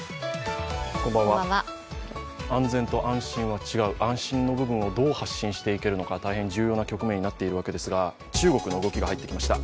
安全と安心は違う、安心の部分をどう発信していけるのか、大変重要な局面になっているわけですが、中国の動きが入ってきました。